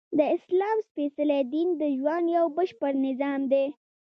د اسلام سپیڅلی دین د ژوند یؤ بشپړ نظام دی!